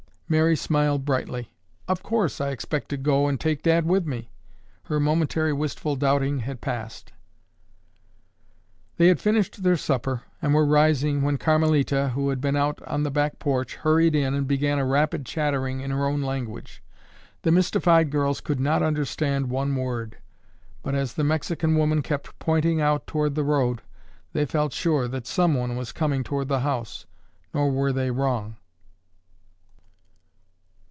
Mary smiled brightly. "Of course, I expect to go and take Dad with me." Her momentary wistful doubting had passed. They had finished their supper and were rising when Carmelita, who had been out on the back porch, hurried in and began a rapid chattering in her own language. The mystified girls could not understand one word. But, as the Mexican woman kept pointing out toward the road, they felt sure that someone was coming toward the house, nor were they wrong.